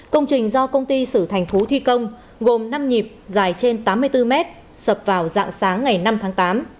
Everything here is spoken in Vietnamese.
công trình do công ty sử thành thú thi công gồm năm nhịp dài trên tám mươi bốn mét sập vào dạng sáng ngày năm tháng tám